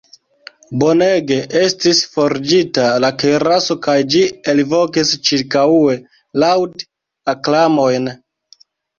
Bonege estis forĝita la kiraso kaj ĝi elvokis ĉirkaŭe laŭd-aklamojn.